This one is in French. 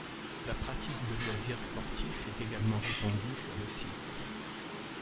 La pratique de loisirs sportifs est également répandue sur le site.